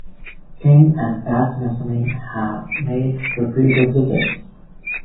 King and Pat Metheny have made repeated visits.